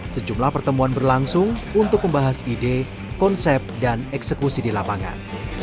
sejumlah pertemuan berlangsung untuk membahas ide konsep dan eksekusi di lapangan